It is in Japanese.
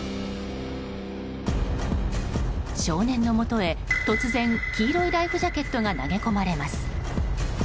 少年のもとへ突然黄色いライフジャケットが投げ込まれます。